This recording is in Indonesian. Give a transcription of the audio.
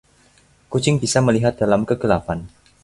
Kucing bisa melihat dalam kegelapan.